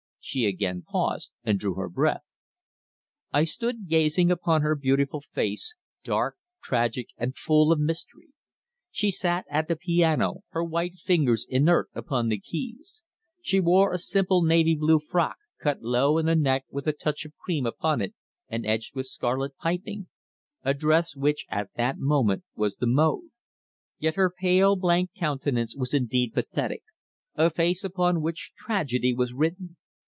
She again paused, and drew her breath. I stood gazing upon her beautiful face, dark, tragic and full of mystery. She sat at the piano, her white fingers inert upon the keys. She wore a simple navy blue frock, cut low in the neck with a touch of cream upon it, and edged with scarlet piping a dress which at that moment was the mode. Yet her pale, blank countenance was indeed pathetic, a face upon which tragedy was written.